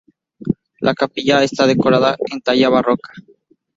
La capilla está decorada en talla barroca.